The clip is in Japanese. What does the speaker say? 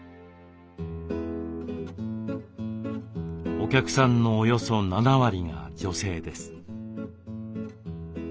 お客さんのおよそ７割が女性です。